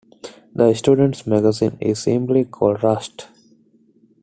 The students' magazine is simply called "Rust".